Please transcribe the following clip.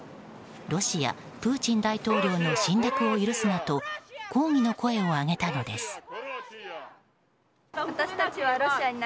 ロシア、プーチン大統領の侵略を許すなと抗議の声を上げたのです。